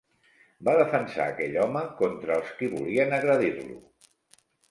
Va defensar aquell home contra els qui volien agredir-lo.